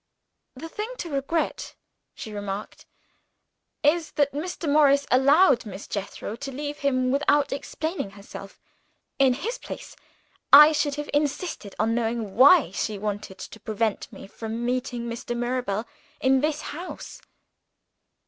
"The thing to regret," she remarked, "is that Mr. Morris allowed Miss Jethro to leave him without explaining herself. In his place, I should have insisted on knowing why she wanted to prevent me from meeting Mr. Mirabel in this house."